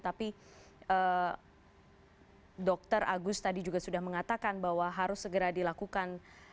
tapi dr agus tadi juga sudah mengatakan bahwa harus segera dilakukan